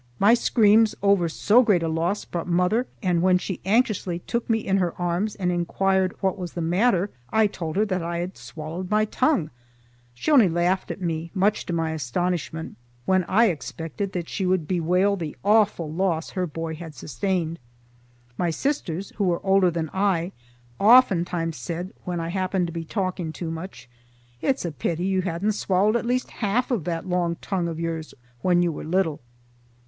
My screams over so great a loss brought mother, and when she anxiously took me in her arms and inquired what was the matter, I told her that I had swallowed my tongue. She only laughed at me, much to my astonishment, when I expected that she would bewail the awful loss her boy had sustained. My sisters, who were older than I, oftentimes said when I happened to be talking too much, "It's a pity you hadn't swallowed at least half of that long tongue of yours when you were little."